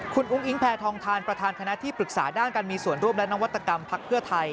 คุณอุ้งอิงแพทองทานประธานคณะที่ปรึกษาด้านการมีส่วนร่วมและนวัตกรรมพักเพื่อไทย